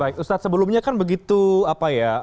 baik ustadz sebelumnya kan begitu apa ya